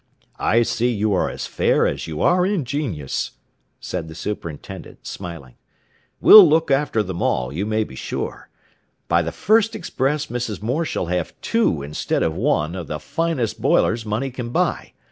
"I see you are as fair as you are ingenious," said the superintendent, smiling. "We'll look after them all, you may be sure. By the first express Mrs. Moore shall have two, instead of one, of the finest boilers money can buy.